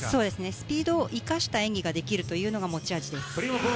スピードを生かした演技ができるというのが持ち味です。